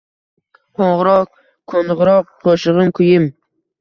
Qo‘ng‘iroq-ko‘ng‘iroq qo‘shig‘im, kuyim